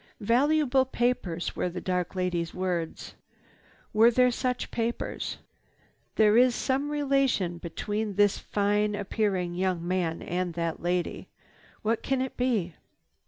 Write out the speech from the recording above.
'Valuable papers' were the dark lady's words. Were there such papers? There is some relation between this fine appearing young man and that lady. What can it be?"